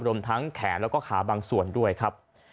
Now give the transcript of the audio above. รวมทั้งแขนแล้วก็ขาบางส่วนด้วยครับ